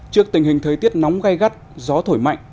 trước tình hình thời tiết nóng gai gắt gió thổi mạnh